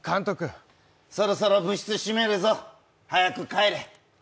そろそろ部室、閉めるぞ、早く帰れ。